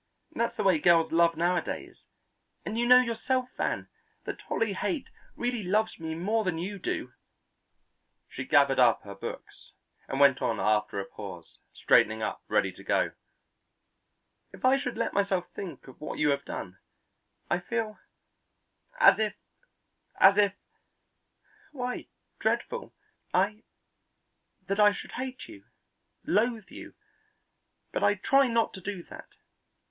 That's the way most girls love nowadays, and you know yourself, Van, that Dolly Haight really loves me more than you do." She gathered up her books and went on after a pause, straightening up, ready to go: "If I should let myself think of what you have done, I feel as if as if why, dreadful I that I should hate you, loathe you; but I try not to do that.